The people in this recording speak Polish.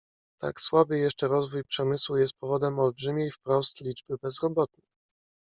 "Tak słaby jeszcze rozwój przemysłu jest powodem olbrzymiej wprost liczby bezrobotnych."